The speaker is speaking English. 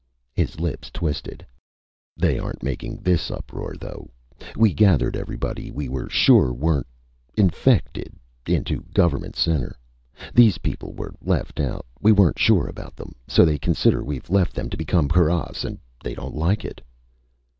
His lips twisted. "They aren't making this uproar, though. We gathered everybody we were sure wasn't ... infected into Government Center. These people were left out. We weren't sure about them. So they consider we've left them to become paras and they don't like it!"